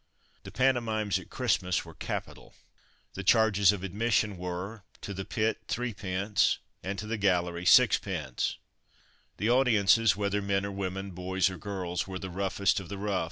The pantomimes at Christmas were capital. The charges of admission were: to the pit 3d., and to the gallery, 6d. The audiences, whether men or women, boys or girls, were the roughest of the rough.